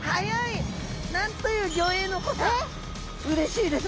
うれしいです。